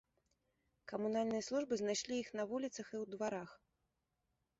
Камунальныя службы знайшлі іх на вуліцах і ў дварах.